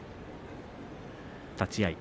立ち合い。